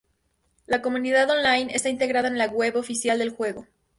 La comunidad on-line está integrada en la web oficial del juego.